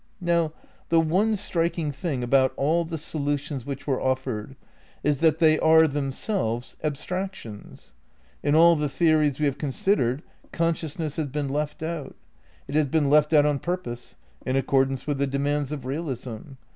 ^ Now the one striking thing about all the solutions which were offered is that they are themselves abstrac tions. In all the theories we have considered conscious ness has been left out. It has been left out on purpose, in accordance with the demands of realism.